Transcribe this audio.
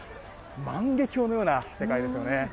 万華鏡のような世界ですよね。